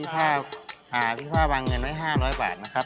ก็วางเงินไว้๑๐๐๐บาทนะครับ